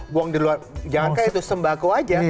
buang di luar jangan kayak itu sembako aja